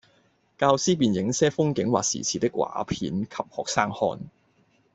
教師便映些風景或時事的畫片給學生看